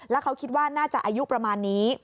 แล้วเขาคิดว่าน่าจะอายุประมาณนี้